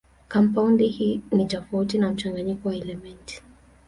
Kampaundi ni tofauti na mchanganyiko wa elementi.